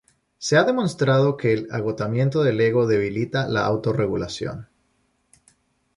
Se ha demostrado que el agotamiento del ego debilita la autorregulación.